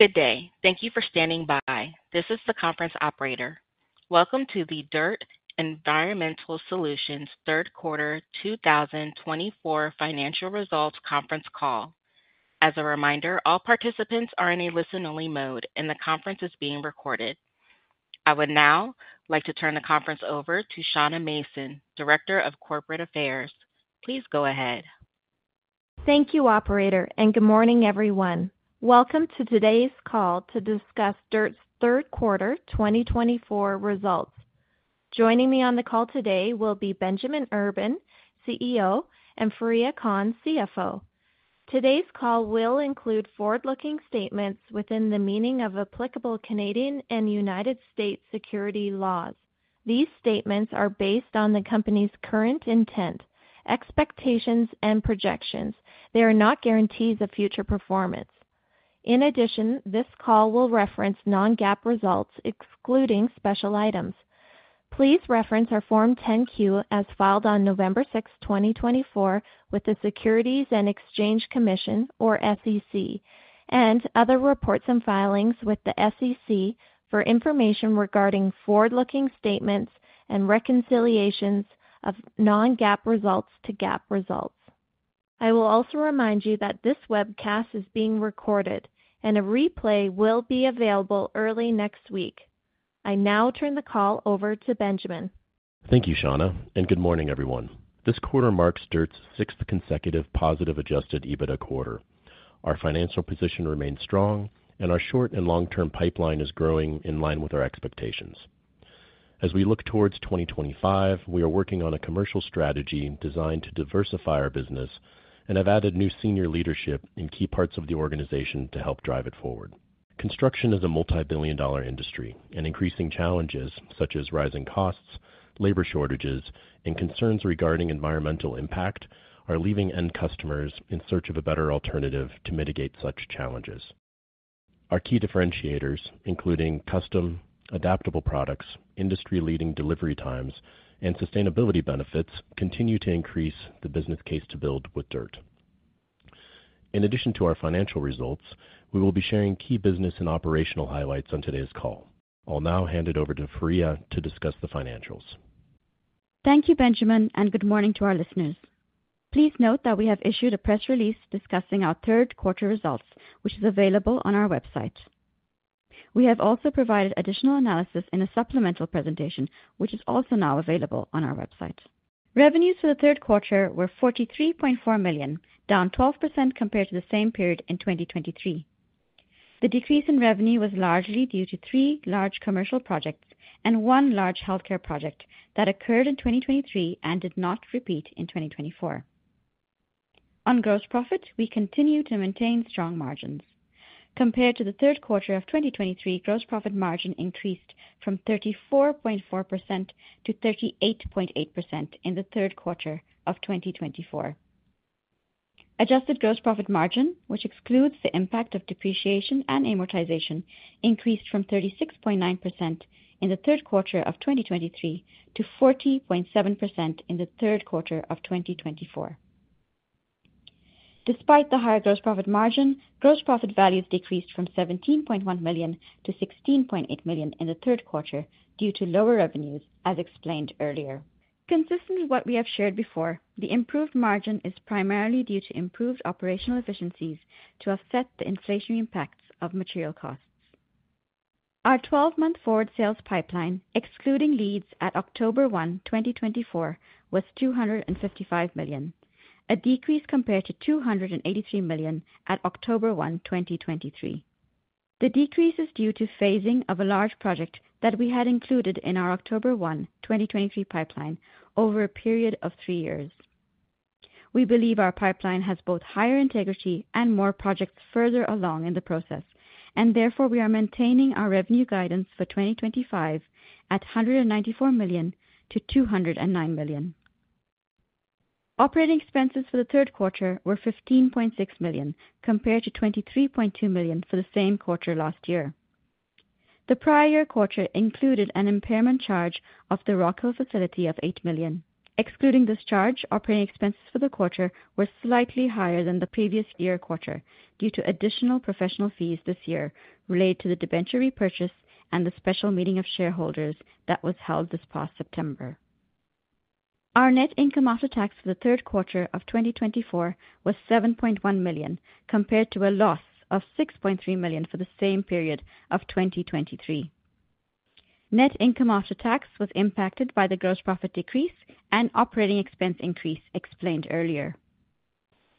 Good day. Thank you for standing by. This is the conference operator. Welcome to the DIRTT Environmental Solutions Third Quarter 2024 Financial Results Conference Call. As a reminder, all participants are in a listen-only mode, and the conference is being recorded. I would now like to turn the conference over to Shauna Mason, Director of Corporate Affairs. Please go ahead. Thank you, Operator, and good morning, everyone. Welcome to today's call to discuss DIRTT's Third Quarter 2024 results. Joining me on the call today will be Benjamin Urban, CEO, and Fareeha Khan, CFO. Today's call will include forward-looking statements within the meaning of applicable Canadian and United States securities laws. These statements are based on the company's current intent, expectations, and projections. They are not guarantees of future performance. In addition, this call will reference non-GAAP results, excluding special items. Please reference our Form 10-Q as filed on November 6, 2024, with the Securities and Exchange Commission, or SEC, and other reports and filings with the SEC for information regarding forward-looking statements and reconciliations of non-GAAP results to GAAP results. I will also remind you that this webcast is being recorded, and a replay will be available early next week. I now turn the call over to Benjamin. Thank you, Shawna, and good morning, everyone. This quarter marks DIRTT's sixth consecutive positive adjusted EBITDA quarter. Our financial position remains strong, and our short- and long-term pipeline is growing in line with our expectations. As we look towards 2025, we are working on a commercial strategy designed to diversify our business and have added new senior leadership in key parts of the organization to help drive it forward. Construction is a multi-billion-dollar industry, and increasing challenges such as rising costs, labor shortages, and concerns regarding environmental impact are leaving end customers in search of a better alternative to mitigate such challenges. Our key differentiators, including custom, adaptable products, industry-leading delivery times, and sustainability benefits, continue to increase the business case to build with DIRTT. In addition to our financial results, we will be sharing key business and operational highlights on today's call. I'll now hand it over to Fareeha to discuss the financials. Thank you, Benjamin, and good morning to our listeners. Please note that we have issued a press release discussing our third quarter results, which is available on our website. We have also provided additional analysis in a supplemental presentation, which is also now available on our website. Revenues for the third quarter were $43.4 million, down 12% compared to the same period in 2023. The decrease in revenue was largely due to three large commercial projects and one large healthcare project that occurred in 2023 and did not repeat in 2024. On gross profit, we continue to maintain strong margins. Compared to the third quarter of 2023, gross profit margin increased from 34.4%-38.8% in the third quarter of 2024. Adjusted gross profit margin, which excludes the impact of depreciation and amortization, increased from 36.9% in the third quarter of 2023 to 40.7% in the third quarter of 2024. Despite the higher gross profit margin, gross profit values decreased from $17.1 million to $16.8 million in the third quarter due to lower revenues, as explained earlier. Consistent with what we have shared before, the improved margin is primarily due to improved operational efficiencies to offset the inflationary impacts of material costs. Our 12-month forward sales pipeline, excluding leads at October 1, 2024, was $255 million, a decrease compared to $283 million at October 1, 2023. The decrease is due to phasing of a large project that we had included in our October 1, 2023, pipeline over a period of three years. We believe our pipeline has both higher integrity and more projects further along in the process, and therefore we are maintaining our revenue guidance for 2025 at $194 million-$209 million. Operating expenses for the third quarter were $15.6 million compared to $23.2 million for the same quarter last year. The prior quarter included an impairment charge of the Rock Hill facility of $8 million. Excluding this charge, operating expenses for the quarter were slightly higher than the previous year quarter due to additional professional fees this year related to the debenture repurchase and the special meeting of shareholders that was held this past September. Our net income after tax for the third quarter of 2024 was $7.1 million compared to a loss of $6.3 million for the same period of 2023. Net income after tax was impacted by the gross profit decrease and operating expense increase explained earlier.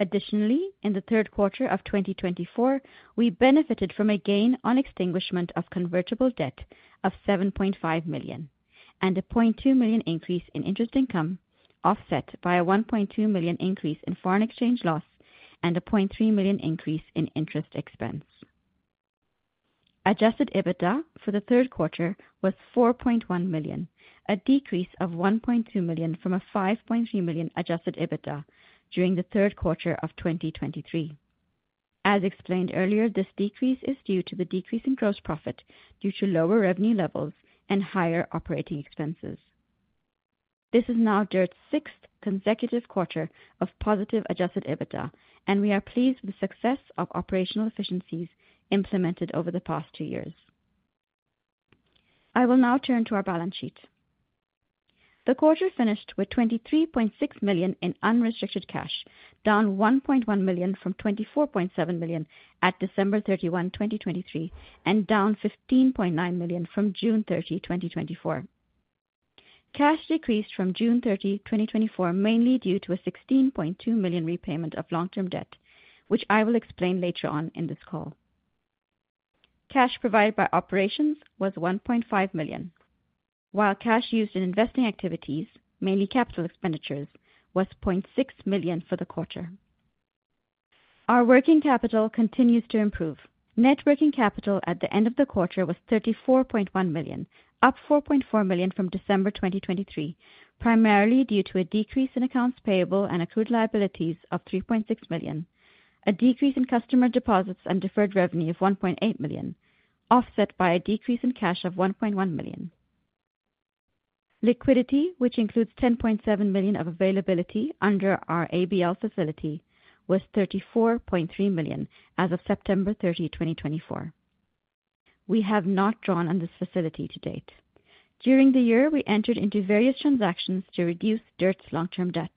Additionally, in the third quarter of 2024, we benefited from a gain on extinguishment of convertible debt of $7.5 million and a $0.2 million increase in interest income offset by a $1.2 million increase in foreign exchange loss and a $0.3 million increase in interest expense. Adjusted EBITDA for the third quarter was $4.1 million, a decrease of $1.2 million from a $5.3 million adjusted EBITDA during the third quarter of 2023. As explained earlier, this decrease is due to the decrease in gross profit due to lower revenue levels and higher operating expenses. This is now DIRTT's sixth consecutive quarter of positive adjusted EBITDA, and we are pleased with the success of operational efficiencies implemented over the past two years. I will now turn to our balance sheet. The quarter finished with $23.6 million in unrestricted cash, down $1.1 million from $24.7 million at December 31, 2023, and down $15.9 million from June 30, 2024. Cash decreased from June 30, 2024, mainly due to a $16.2 million repayment of long-term debt, which I will explain later on in this call. Cash provided by operations was $1.5 million, while cash used in investing activities, mainly capital expenditures, was $0.6 million for the quarter. Our working capital continues to improve. Net working capital at the end of the quarter was $34.1 million, up $4.4 million from December 2023, primarily due to a decrease in accounts payable and accrued liabilities of $3.6 million, a decrease in customer deposits and deferred revenue of $1.8 million, offset by a decrease in cash of $1.1 million. Liquidity, which includes $10.7 million of availability under our ABL facility, was $34.3 million as of September 30, 2024. We have not drawn on this facility to date. During the year, we entered into various transactions to reduce DIRTT's long-term debt.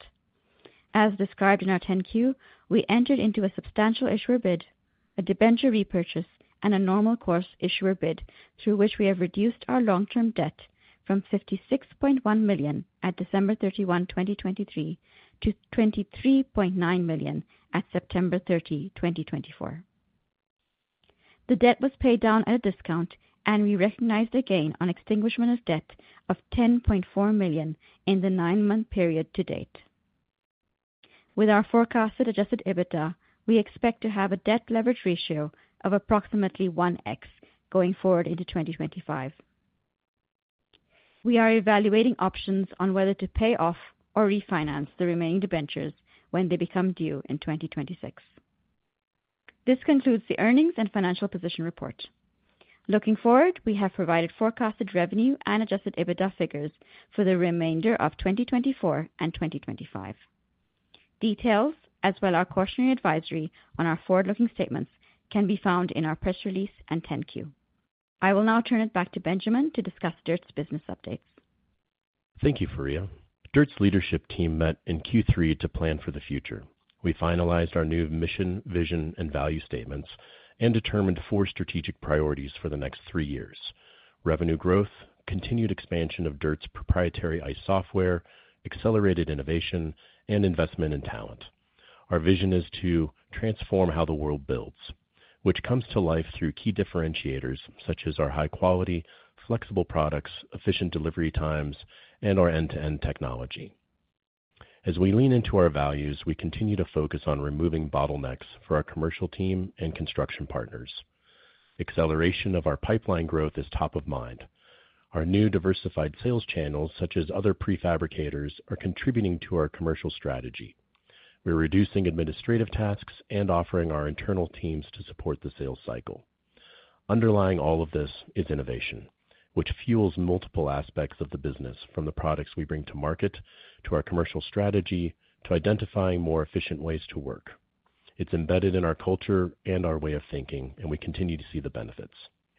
As described in our 10Q, we entered into a substantial issuer bid, a debenture repurchase, and a normal course issuer bid through which we have reduced our long-term debt from $56.1 million at December 31, 2023, to $23.9 million at September 30, 2024. The debt was paid down at a discount, and we recognized a gain on extinguishment of debt of $10.4 million in the nine-month period to date. With our forecasted Adjusted EBITDA, we expect to have a debt leverage ratio of approximately 1X going forward into 2025. We are evaluating options on whether to pay off or refinance the remaining debentures when they become due in 2026. This concludes the earnings and financial position report. Looking forward, we have provided forecasted revenue and Adjusted EBITDA figures for the remainder of 2024 and 2025. Details, as well as our cautionary advisory on our forward-looking statements, can be found in our press release and 10-Q. I will now turn it back to Benjamin to discuss DIRTT's business updates. Thank you, Fareeha. DIRTT's leadership team met in Q3 to plan for the future. We finalized our new mission, vision, and value statements and determined four strategic priorities for the next three years: revenue growth, continued expansion of DIRTT's proprietary ICE software, accelerated innovation, and investment in talent. Our vision is to transform how the world builds, which comes to life through key differentiators such as our high quality, flexible products, efficient delivery times, and our end-to-end technology. As we lean into our values, we continue to focus on removing bottlenecks for our commercial team and construction partners. Acceleration of our pipeline growth is top of mind. Our new diversified sales channels, such as other prefabricators, are contributing to our commercial strategy. We're reducing administrative tasks and offering our internal teams to support the sales cycle. Underlying all of this is innovation, which fuels multiple aspects of the business, from the products we bring to market to our commercial strategy to identifying more efficient ways to work. It's embedded in our culture and our way of thinking, and we continue to see the benefits.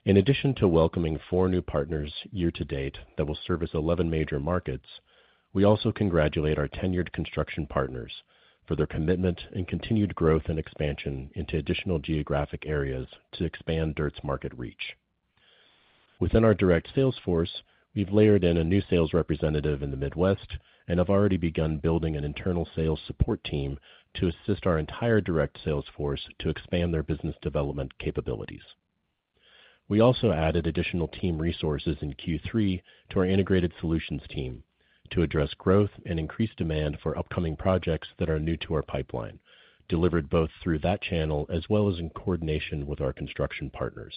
In addition to welcoming four new partners year to date that will service 11 major markets, we also congratulate our tenured construction partners for their commitment and continued growth and expansion into additional geographic areas to expand DIRTT's market reach. Within our direct sales force, we've layered in a new sales representative in the Midwest and have already begun building an internal sales support team to assist our entire direct sales force to expand their business development capabilities. We also added additional team resources in Q3 to our integrated solutions team to address growth and increased demand for upcoming projects that are new to our pipeline, delivered both through that channel as well as in coordination with our construction partners.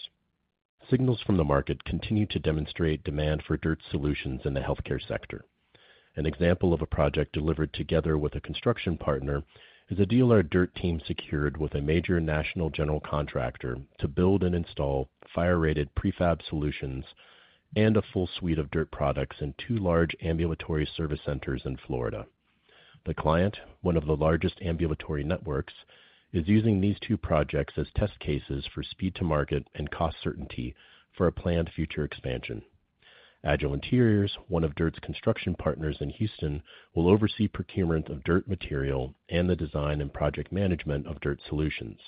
Signals from the market continue to demonstrate demand for DIRTT solutions in the healthcare sector. An example of a project delivered together with a construction partner is a deal our DIRTT team secured with a major national general contractor to build and install fire-rated prefab solutions and a full suite of DIRTT products in two large ambulatory service centers in Florida. The client, one of the largest ambulatory networks, is using these two projects as test cases for speed to market and cost certainty for a planned future expansion. Agile Interiors, one of DIRTT's construction partners in Houston, will oversee procurement of DIRTT material and the design and project management of DIRTT solutions.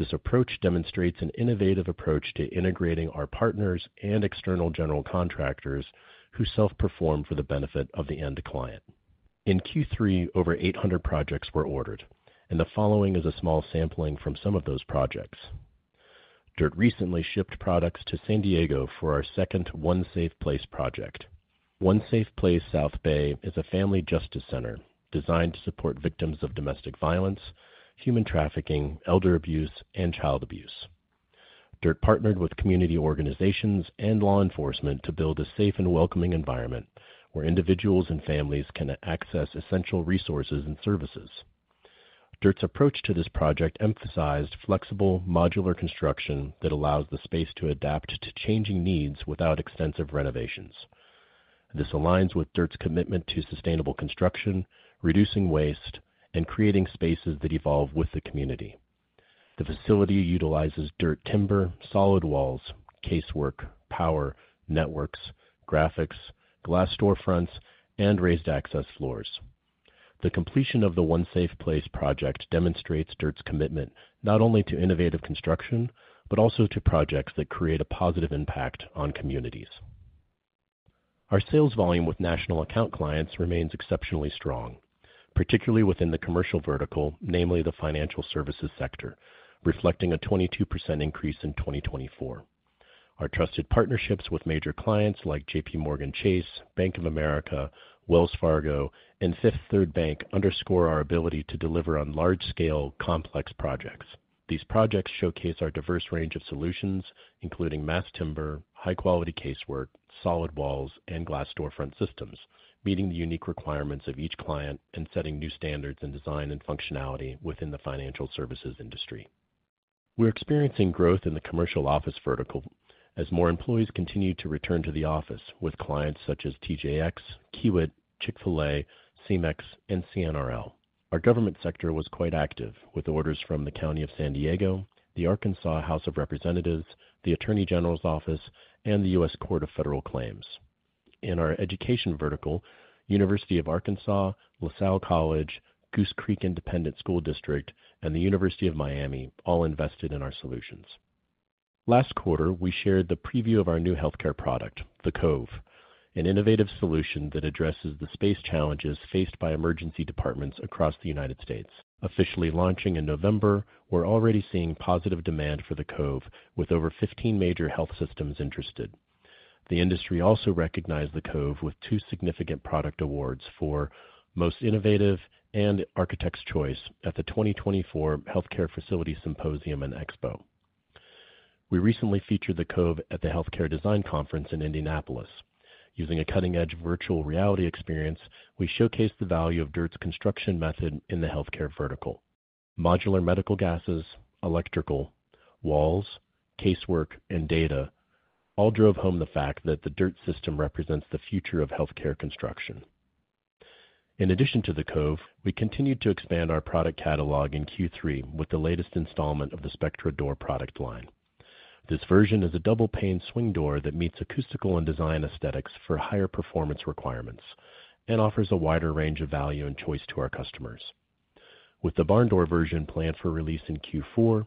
This approach demonstrates an innovative approach to integrating our partners and external general contractors who self-perform for the benefit of the end client. In Q3, over 800 projects were ordered, and the following is a small sampling from some of those projects. DIRTT recently shipped products to San Diego for our second One Safe Place project. One Safe Place South Bay is a family justice center designed to support victims of domestic violence, human trafficking, elder abuse, and child abuse. DIRTT partnered with community organizations and law enforcement to build a safe and welcoming environment where individuals and families can access essential resources and services. DIRTT's approach to this project emphasized flexible, modular construction that allows the space to adapt to changing needs without extensive renovations. This aligns with DIRTT's commitment to sustainable construction, reducing waste, and creating spaces that evolve with the community. The facility utilizes DIRTT Timber, solid walls, casework, power, networks, graphics, glass storefronts, and raised access floors. The completion of the One Safe Place project demonstrates DIRTT's commitment not only to innovative construction but also to projects that create a positive impact on communities. Our sales volume with national account clients remains exceptionally strong, particularly within the commercial vertical, namely the financial services sector, reflecting a 22% increase in 2024. Our trusted partnerships with major clients like JPMorgan Chase, Bank of America, Wells Fargo, and Fifth Third Bank underscore our ability to deliver on large-scale, complex projects. These projects showcase our diverse range of solutions, including mass timber, high-quality casework, solid walls, and glass storefront systems, meeting the unique requirements of each client and setting new standards in design and functionality within the financial services industry. We're experiencing growth in the commercial office vertical as more employees continue to return to the office with clients such as TJX, Kiewit, Chick-fil-A, CEMEX, and CNRL. Our government sector was quite active with orders from the County of San Diego, the Arkansas House of Representatives, the Attorney General's Office, and the U.S. Court of Federal Claims. In our education vertical, University of Arkansas, LaSalle College, Goose Creek Independent School District, and the University of Miami all invested in our solutions. Last quarter, we shared the preview of our new healthcare product, the Cove, an innovative solution that addresses the space challenges faced by emergency departments across the United States. Officially launching in November, we're already seeing positive demand for the Cove, with over 15 major health systems interested. The industry also recognized the Cove with two significant product awards for most innovative and architect's choice at the 2024 Healthcare Facility Symposium and Expo. We recently featured the Cove at the Healthcare Design Conference in Indianapolis. Using a cutting-edge virtual reality experience, we showcased the value of DIRTT's construction method in the healthcare vertical. Modular medical gases, electrical, walls, casework, and data all drove home the fact that the DIRTT system represents the future of healthcare construction. In addition to the Cove, we continued to expand our product catalog in Q3 with the latest installment of the Spectra Door product line. This version is a double-pane swing door that meets acoustical and design aesthetics for higher performance requirements and offers a wider range of value and choice to our customers. With the Barn Door version planned for release in Q4,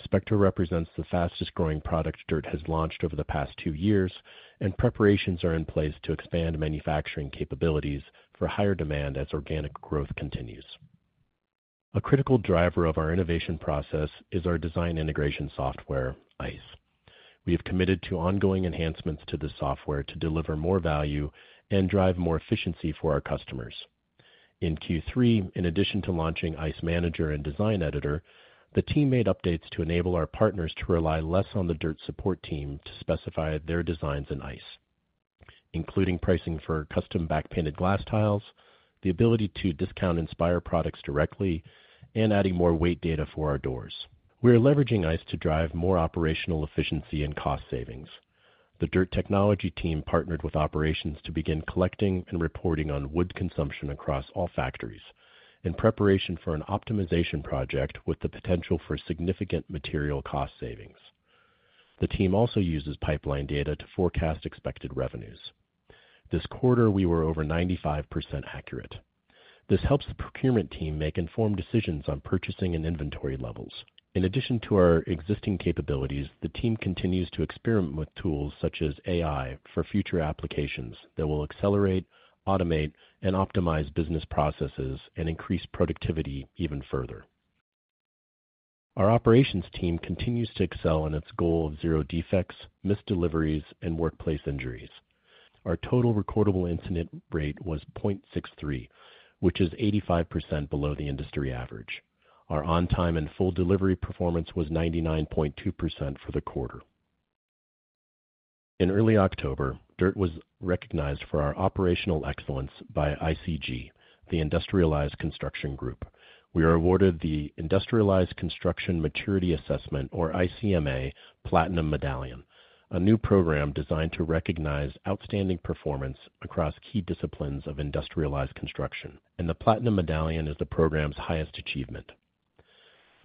the full Spectra portfolio will have been completed in 2024. Spectra represents the fastest-growing product DIRTT has launched over the past two years, and preparations are in place to expand manufacturing capabilities for higher demand as organic growth continues. A critical driver of our innovation process is our design integration software, ICE. We have committed to ongoing enhancements to the software to deliver more value and drive more efficiency for our customers. In Q3, in addition to launching ICE Manager and Design Editor, the team made updates to enable our partners to rely less on the DIRTT support team to specify their designs in ICE, including pricing for custom back-painted glass tiles, the ability to discount Inspire products directly, and adding more weight data for our doors. We are leveraging ICE to drive more operational efficiency and cost savings. The DIRTT technology team partnered with operations to begin collecting and reporting on wood consumption across all factories in preparation for an optimization project with the potential for significant material cost savings. The team also uses pipeline data to forecast expected revenues. This quarter, we were over 95% accurate. This helps the procurement team make informed decisions on purchasing and inventory levels. In addition to our existing capabilities, the team continues to experiment with tools such as AI for future applications that will accelerate, automate, and optimize business processes and increase productivity even further. Our operations team continues to excel in its goal of zero defects, missed deliveries, and workplace injuries. Our total recordable incident rate was 0.63, which is 85% below the industry average. Our on-time and full delivery performance was 99.2% for the quarter. In early October, DIRTT was recognized for our operational excellence by ICG, the Industrialized Construction Group. We were awarded the Industrialized Construction Maturity Assessment, or ICMA, Platinum Medallion, a new program designed to recognize outstanding performance across key disciplines of industrialized construction, and the Platinum Medallion is the program's highest achievement.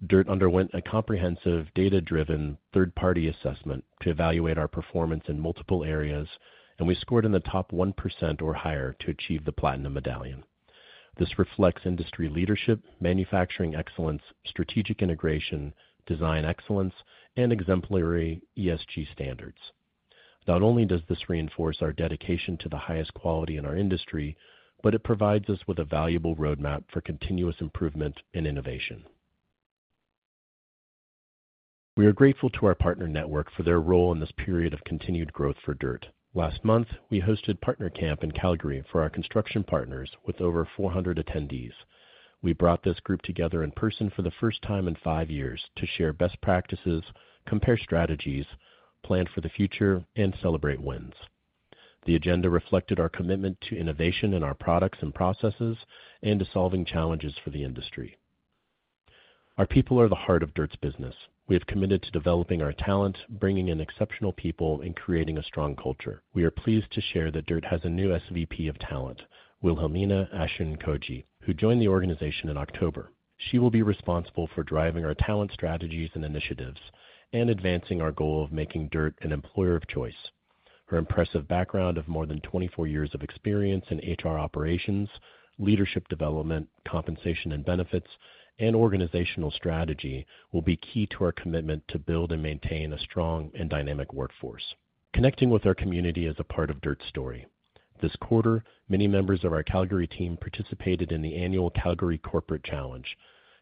DIRTT underwent a comprehensive data-driven third-party assessment to evaluate our performance in multiple areas, and we scored in the top 1% or higher to achieve the Platinum Medallion. This reflects industry leadership, manufacturing excellence, strategic integration, design excellence, and exemplary ESG standards. Not only does this reinforce our dedication to the highest quality in our industry, but it provides us with a valuable roadmap for continuous improvement and innovation. We are grateful to our partner network for their role in this period of continued growth for DIRTT. Last month, we hosted Partner Camp in Calgary for our construction partners with over 400 attendees. We brought this group together in person for the first time in five years to share best practices, compare strategies, plan for the future, and celebrate wins. The agenda reflected our commitment to innovation in our products and processes and to solving challenges for the industry. Our people are the heart of DIRTT's business. We have committed to developing our talent, bringing in exceptional people, and creating a strong culture. We are pleased to share that DIRTT has a new SVP of Talent, Wilhelmina Ashong, who joined the organization in October. She will be responsible for driving our talent strategies and initiatives and advancing our goal of making DIRTT an employer of choice. Her impressive background of more than 24 years of experience in HR operations, leadership development, compensation and benefits, and organizational strategy will be key to our commitment to build and maintain a strong and dynamic workforce. Connecting with our community is a part of DIRTT's story. This quarter, many members of our Calgary team participated in the annual Calgary Corporate Challenge,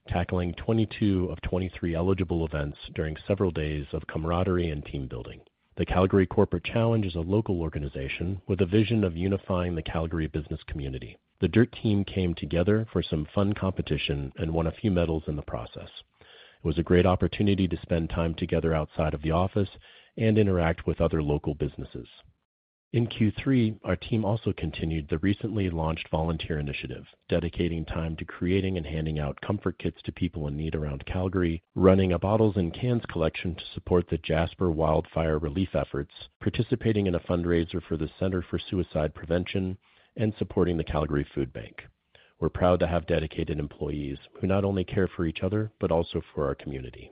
tackling 22 of 23 eligible events during several days of camaraderie and team building. The Calgary Corporate Challenge is a local organization with a vision of unifying the Calgary business community. The DIRTT team came together for some fun competition and won a few medals in the process. It was a great opportunity to spend time together outside of the office and interact with other local businesses. In Q3, our team also continued the recently launched volunteer initiative, dedicating time to creating and handing out comfort kits to people in need around Calgary, running a bottles and cans collection to support the Jasper wildfire relief efforts, participating in a fundraiser for the Center for Suicide Prevention, and supporting the Calgary Food Bank. We're proud to have dedicated employees who not only care for each other but also for our community.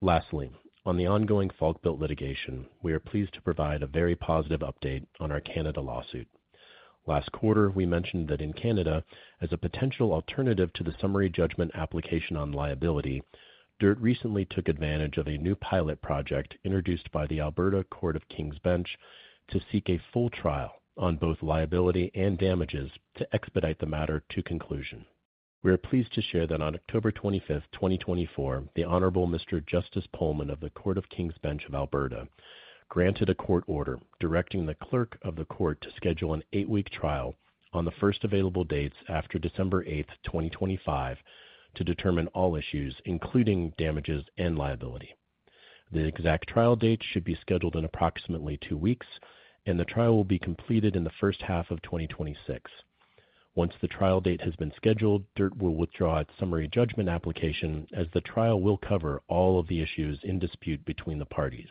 Lastly, on the ongoing Falkbuilt litigation, we are pleased to provide a very positive update on our Canada lawsuit. Last quarter, we mentioned that in Canada, as a potential alternative to the summary judgment application on liability, DIRTT recently took advantage of a new pilot project introduced by the Alberta Court of King's Bench to seek a full trial on both liability and damages to expedite the matter to conclusion. We are pleased to share that on October 25th, 2024, the Honorable Mr. Justice Poelman of the Court of King's Bench of Alberta granted a court order directing the clerk of the court to schedule an eight-week trial on the first available dates after December 8th, 2025, to determine all issues, including damages and liability. The exact trial date should be scheduled in approximately two weeks, and the trial will be completed in the first half of 2026. Once the trial date has been scheduled, DIRTT will withdraw its summary judgment application as the trial will cover all of the issues in dispute between the parties.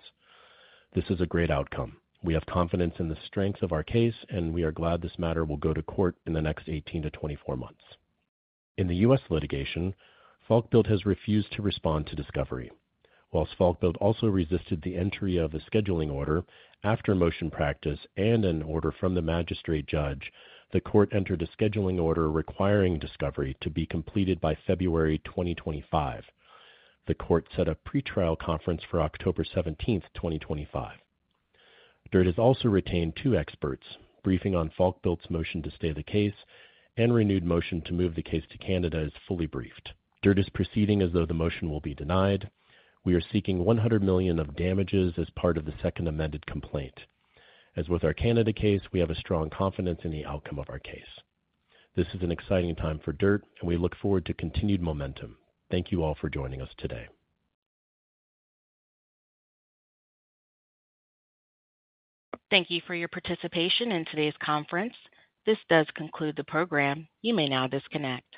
This is a great outcome. We have confidence in the strength of our case, and we are glad this matter will go to court in the next 18 to 24 months. In the U.S. litigation, Falkbuilt has refused to respond to discovery. While Falkbuilt also resisted the entry of a scheduling order after motion practice and an order from the magistrate judge, the court entered a scheduling order requiring discovery to be completed by February 2025. The court set a pretrial conference for October 17th, 2025. DIRTT has also retained two experts. Briefing on Falkbuilt's motion to stay the case and renewed motion to move the case to Canada is fully briefed. DIRTT is proceeding as though the motion will be denied. We are seeking $100 million of damages as part of the Second Amended Complaint. As with our Canada case, we have a strong confidence in the outcome of our case. This is an exciting time for DIRTT, and we look forward to continued momentum. Thank you all for joining us today. Thank you for your participation in today's conference. This does conclude the program. You may now disconnect.